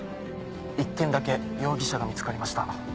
１件だけ容疑者が見つかりました。